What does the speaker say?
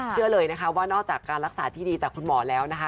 เชื่อเลยนะคะว่านอกจากการรักษาที่ดีจากคุณหมอแล้วนะคะ